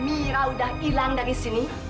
mereka sudah hilang dari sini